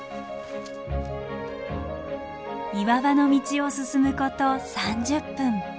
岩場の道を進むこと３０分。